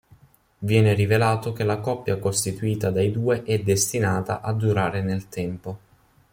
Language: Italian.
Viene rivelato che la coppia costituita dai due è destinata a durare nel tempo.